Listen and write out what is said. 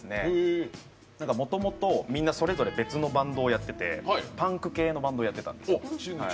もともとみんな、それぞれ別のバンドをやっててパンク系のバンドをやってたんですよ。